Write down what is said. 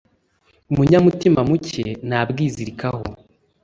umunyamutima muke ntabwizirikaho